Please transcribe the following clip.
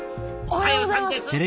おはようございます。